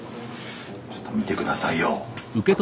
ちょっと見て下さいよ。